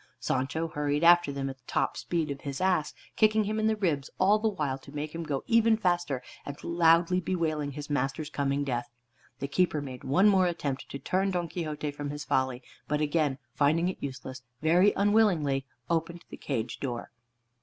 Sancho hurried after them at the top speed of his ass, kicking him in the ribs all the while to make him go even faster, and loudly bewailing his master's coming death. The keeper made one more attempt to turn Don Quixote from his folly, but again finding it useless, very unwillingly opened the cage door.